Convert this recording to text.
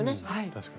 確かに。